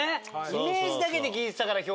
イメージだけで聞いてたから評判で。